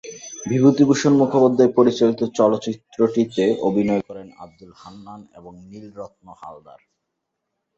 বিভূতিভূষণ মুখোপাধ্যায় পরিচালিত চলচ্চিত্রটিতে অভিনয় করেন আব্দুল হান্নান এবং নীলরত্ন হালদার।